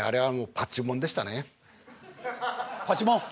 パチモン？